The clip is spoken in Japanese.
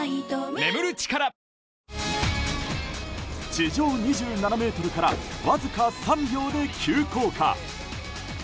地上２７ｍからわずか３秒で急降下。